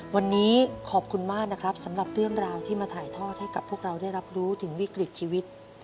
วันนี้ขอบคุณมากนะครับสำหรับเรื่องราวที่มาถ่ายทอดให้กับพวกเราได้รับรู้ถึงวิกฤตชีวิต